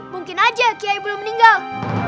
mungkin aja kiai belum meninggal